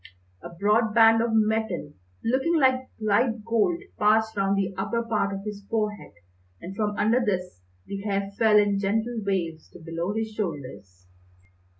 A broad band of metal looking like light gold passed round the upper part of his forehead, and from under this the hair fell in gentle waves to below his shoulders.